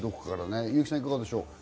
優木さん、いかがでしょう。